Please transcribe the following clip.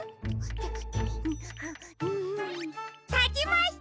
たちました！